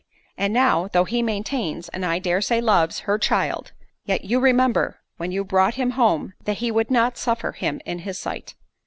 And now, though he maintains, and I dare say loves, her child, yet you remember, when you brought him home, that he would not suffer him in his sight."